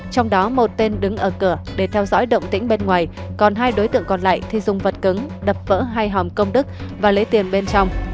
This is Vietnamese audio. trong đó một tên đứng ở cửa để theo dõi động tĩnh bên ngoài còn hai đối tượng còn lại thì dùng vật cứng đập vỡ hai hòm công đức và lấy tiền bên trong